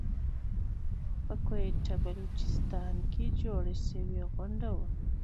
په کويټه بلوچستان کې جوړه شوى غونډه وه .